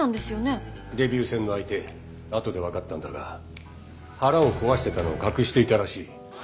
デビュー戦の相手後で分かったんだが腹を壊してたのを隠していたらしい。